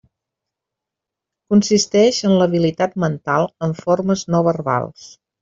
Consistix en l'habilitat mental amb formes no verbals.